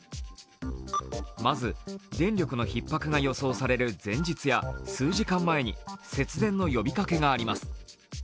まず、電力のひっ迫が予想される前日や数時間前に節電の呼びかけがあります。